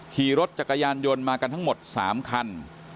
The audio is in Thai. ขี่รถจักรยานยนต์มากันทั้งหมด๓คัน